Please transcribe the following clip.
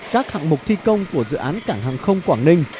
các hạng mục thi công của dự án cảng hàng không quảng ninh